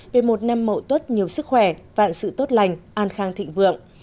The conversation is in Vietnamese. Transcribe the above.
về một năm mậu tuất nhiều sức khỏe vạn sự tốt lành an khang thịnh vượng